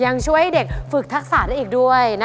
ยังช่วยให้เด็กฝึกทักษะได้อีกด้วย